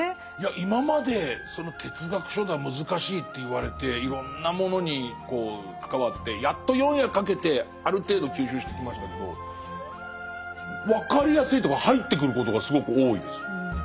今まで哲学書だ難しいって言われていろんなものに関わってやっと４夜かけてある程度吸収してきましたけど分かりやすいというか入ってくることがすごく多いです。